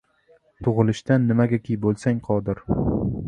Tug‘ilishdan nimagaki bo‘lsang qodir